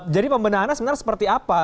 jadi pembendahannya sebenarnya seperti apa